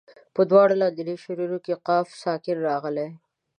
په دواړو لاندنیو شعرونو کې قاف ساکن راغلی.